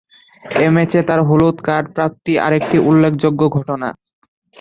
এ ম্যাচে তার হলুদ কার্ড প্রাপ্তি আরেকটি উল্লেখযোগ্য ঘটনা